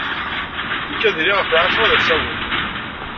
Nekk ad iliɣ ɣef lɛacra d asawen.